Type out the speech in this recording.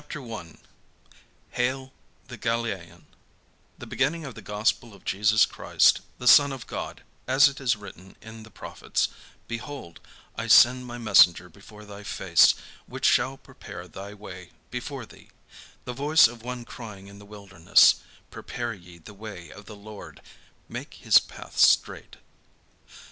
JESUS OF NAZARETH RISES FROM THE DEAD JESUS OF NAZARETH CHAPTER I HAIL, THE GALILEAN The beginning of the gospel of Jesus Christ, the Son of God; as it is written in the prophets, "Behold, I send my messenger before thy face, which shall prepare thy way before thee. The voice of one crying in the wilderness. Prepare ye the way of the Lord, make his paths straight."